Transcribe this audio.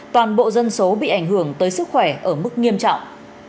toàn bộ dân số bị ảnh hưởng tới sức khỏe ở mức nghiêm trọng